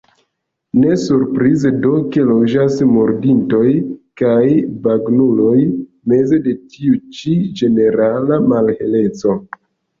Ne surprize do, ke loĝas murdintoj kaj bagnuloj meze de tiu ĉi ĝenerala malheleco.